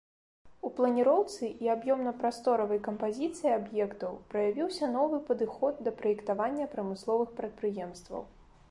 У планіроўцы і аб'ёмна-прасторавай кампазіцыі аб'ектаў праявіўся новы падыход да праектавання прамысловых прадпрыемстваў.